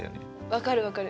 分かる分かる。